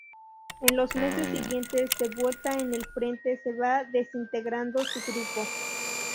En los meses siguientes, de vuelta en el frente, se va desintegrando su grupo.